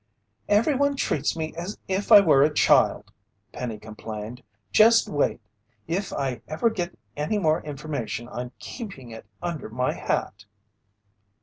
"Everyone treats me as if I were a child!" Penny complained. "Just wait! If ever I get any more information, I'm keeping it under my hat!"